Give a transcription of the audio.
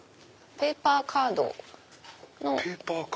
ペーパーカード？